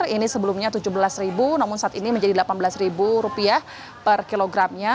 ini sebelumnya rp tujuh belas namun saat ini menjadi rp delapan belas per kilogramnya